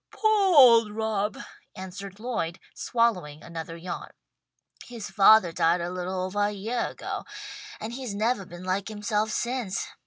"Poah old Rob," answered Lloyd, swallowing another yawn. "His fathah died a little ovah a yeah ago, and he's nevah been like himself since.